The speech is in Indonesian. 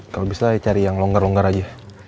kalau bisa cari yang longgar longgar aja